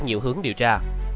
nhiều hướng điều tra